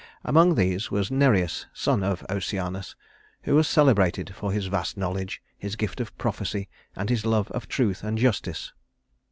Among these was Nereus, son of Oceanus, who was celebrated for his vast knowledge, his gift of prophecy, and his love of truth and justice.